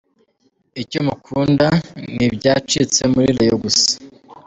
Icyo mukunda ni byacitse muri rayon gusa.